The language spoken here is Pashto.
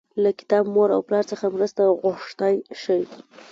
له کتاب، مور او پلار څخه مرسته غوښتی شئ.